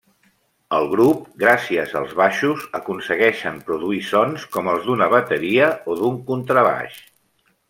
El grup, gràcies als baixos, aconsegueixen produir sons com els d'una bateria o d'un contrabaix.